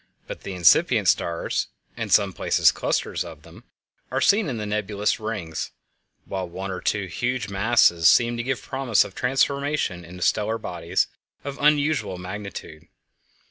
But incipient stars (in some places clusters of them) are seen in the nebulous rings, while one or two huge masses seem to give promise of transformation into stellar bodies of unusual magnitude.